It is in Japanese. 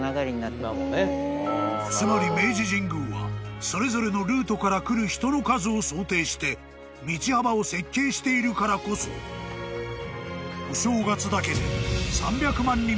［つまり明治神宮はそれぞれのルートから来る人の数を想定して道幅を設計してるからこそお正月だけで］